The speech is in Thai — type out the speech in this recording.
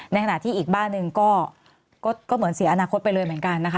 ในขณะที่อีกบ้านหนึ่งก็เหมือนเสียอนาคตไปเลยเหมือนกันนะคะ